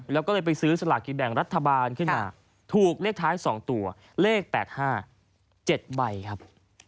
แล้วก็เลยไปซื้อสลากกินแบ่งรัฐบาลขึ้นมาถูกเลขท้าย๒ตัวเลข๘๕๗ใบครับ